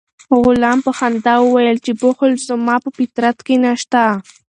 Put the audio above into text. غلام په خندا وویل چې بخل زما په فطرت کې نشته.